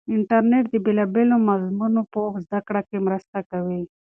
انټرنیټ د بېلابېلو مضمونو په زده کړه کې مرسته کوي.